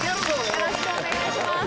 よろしくお願いします。